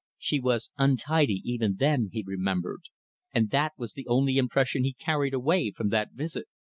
She was untidy even then, he remembered, and that was the only impression he carried away from that visit.